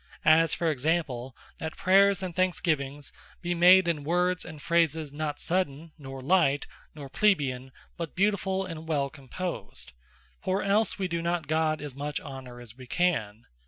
As for example, that Prayers, and Thanksgiving, be made in Words and Phrases, not sudden, nor light, nor Plebeian; but beautifull and well composed; For else we do not God as much honour as we can.